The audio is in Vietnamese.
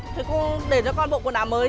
thì cô để cho con bộ quần áo mới nhé